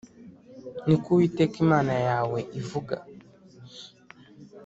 Ni ko Uwiteka Imana yawe ivuga.